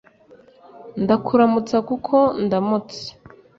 ndakuramutsa kuko ndamutse